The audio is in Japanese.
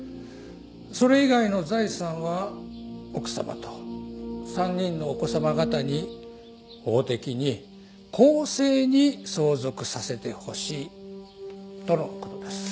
それ以外の財産は奥様と３人のお子様方に法的に公正に相続させてほしいとの事です。